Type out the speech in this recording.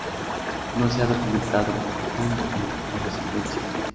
No se ha documentado cónyuge o descendencia.